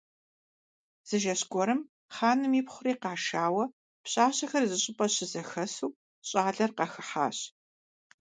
Зы жэщ гуэрым хъаным ипхъури къашауэ пщащэхэр зыщӀыпӀэ щызэхэсу щӀалэр къахыхьащ.